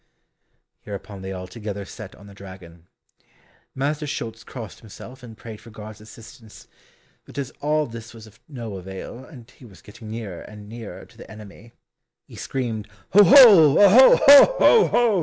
Hereupon they all together set on the dragon. Master Schulz crossed himself and prayed for God's assistance, but as all this was of no avail, and he was getting nearer and nearer to the enemy, he screamed "Oho! oho! ho! ho! ho!"